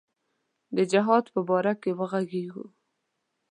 د جهاد په باره کې وږغیږو.